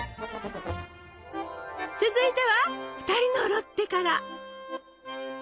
続いては「ふたりのロッテ」から！